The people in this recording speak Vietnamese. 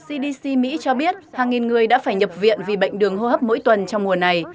cdc mỹ cho biết hàng nghìn người đã phải nhập viện vì bệnh đường hô hấp mỗi tuần trong mùa này